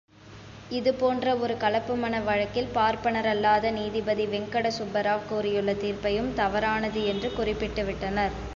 இது போன்ற ஒரு கலப்புமண வழக்கில் பார்ப்பனரல்லாத நீதிபதி வெங்கடசுப்பராவ் கூறியுள்ள தீர்ப்பையும் தவறானது என்று குறிப்பிட்டு விட்டனர்.